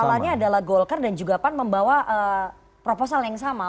masalahnya adalah golkar dan juga pan membawa proposal yang sama